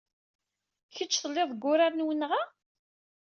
Kecc telliḍ deg wenrar n wenɣa?